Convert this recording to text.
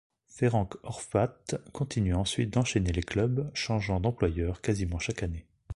Ferenc Horváth continue ensuite d'enchaîner les clubs, changeant d'employeur quasiment chaque année.